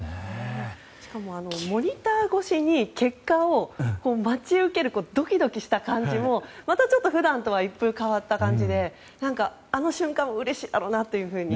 しかもモニター越しに結果を待ち受けるドキドキした感じもまたちょっと、普段とは一風変わった感じであの瞬間うれしいだろうなというふうに。